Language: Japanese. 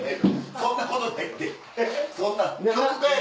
そんなことないって。